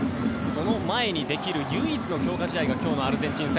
その前にできる唯一の強化試合が今日のアルゼンチン戦。